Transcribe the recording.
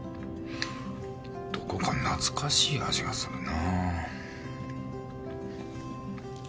どこか懐かしい味がするな。